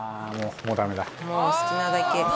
もう好きなだけ。